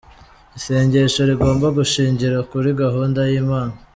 Isengesho rigomba gushingira kuri gahunda y'Imana.